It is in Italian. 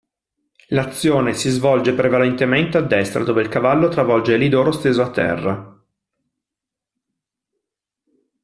L'azione si svolge prevalentemente a destra, dove il cavallo travolge Eliodoro steso a terra.